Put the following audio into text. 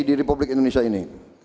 di republik indonesia ini